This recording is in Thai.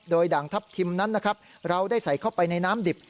โดยด่างทัพทิมนั้นนะครับเราได้ใส่เข้าไปในน้ำดิบ